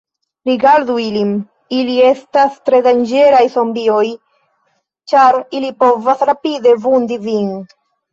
Rigardu ilin, ili estas tre danĝeraj zombioj, ĉar ili povas rapide vundi vin.